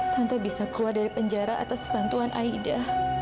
tante bisa keluar dari penjara atas bantuan aida